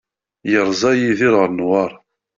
Yerza Yidir ɣer Newwara.